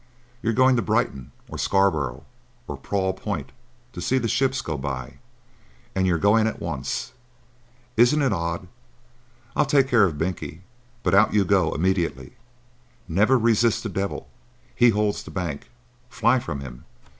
You're going to Brighton, or Scarborough, or Prawle Point, to see the ships go by. And you're going at once. Isn't it odd? I'll take care of Binkie, but out you go immediately. Never resist the devil. He holds the bank. Fly from him.